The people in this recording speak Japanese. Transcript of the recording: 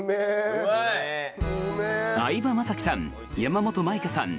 相葉雅紀さん、山本舞香さん